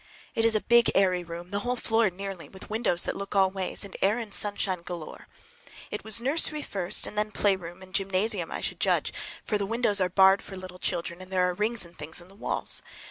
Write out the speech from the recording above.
It is a big, airy room, the whole floor nearly, with windows that look all ways, and air and sunshine galore. It was nursery first and then playground and gymnasium, I should judge; for the windows are barred for little children, and there are rings and things in the walls.